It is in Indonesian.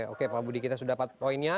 oke pak budi kita sudah dapat poinnya